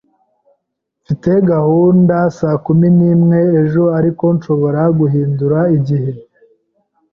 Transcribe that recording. Mfite gahunda saa kumi n'imwe ejo, ariko nshobora guhindura igihe?